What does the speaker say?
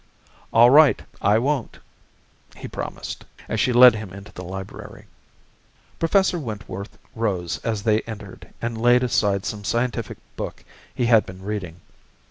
"All right, I won't," he promised, as she led him into the library. Professor Wentworth rose as they entered and laid aside some scientific book he had been reading.